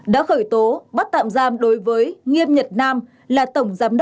đã khởi tố bắt tạm giam đối với nghiêm nhật nam